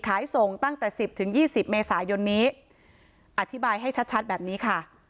ขายส่งตั้งแต่สิบถึงยี่สิบเมษายนนี้อธิบายให้ชัดชัดแบบนี้ค่ะ